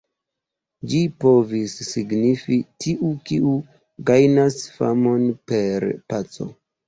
Ĝi povis signifi: "tiu, kiu gajnas famon per paco".